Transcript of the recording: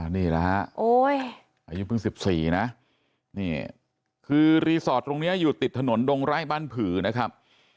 นี่แหละฮะอายุเพิ่ง๑๔นะนี่คือรีสอร์ทตรงนี้อยู่ติดถนนดงไร่บ้านผือนะครับ